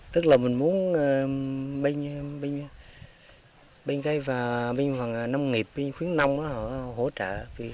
tức là mình muốn binh cây và binh hoàng nông nghiệp binh khuyến nông họ hỗ trợ